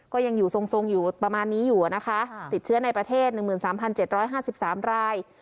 ก็ยังอยู่ทรงทรงอยู่ประมาณนี้อยู่อะนะคะติดเชื้อในประเทศหนึ่งหมื่นสามพันเจ็ดร้อยห้าสิบสามราย